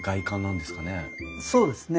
そうですね。